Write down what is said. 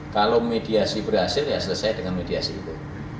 kalau mediasi berhasil ya selesai dengan mediasi itu